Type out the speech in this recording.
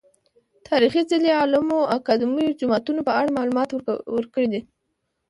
تاريخي څلي، علومو اکادميو، جوماتونه په اړه معلومات ورکړي دي .